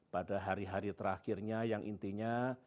pada hari hari terakhirnya yang intinya